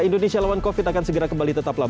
indonesia lawan covid akan segera kembali tetaplah